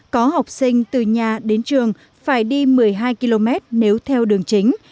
có học sinh từ nhà đến trường phải đi một mươi hai km nếu theo đường chính